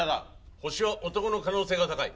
星は男の可能性が高い。